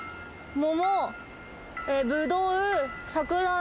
桃。